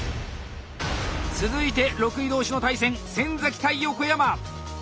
続いて６位同士の対戦先対横山！